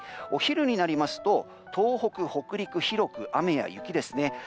お昼になると、東北、北陸広く雨や雪です。